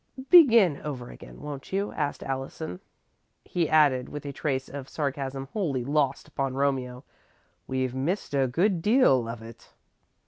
"Begin over again, won't you?" asked Allison. He added, with a trace of sarcasm wholly lost upon Romeo: "We've missed a good deal of it."